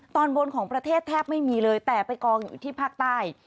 ตอนบนของประเทศแทบไม่มีเลยแต่ไปกองอยู่ที่ภาคใต้